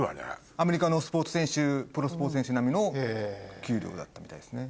アメリカのプロスポーツ選手並みの給料だったみたいですね。